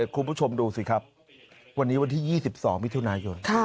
คุณผู้ชมดูสิครับวันนี้วันที่๒๒มิถุนายน